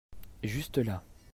Juste là.